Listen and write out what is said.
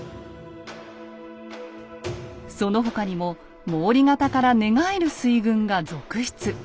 その他にも毛利方から寝返る水軍が続出。